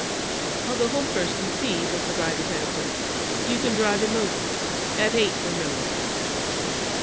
'I'll go home first and see,' was the rider's answer. 'You can drive him over at eight, remember.'